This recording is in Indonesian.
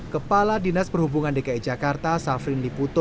kepala dinas perhubungan dki jakarta safrin liputo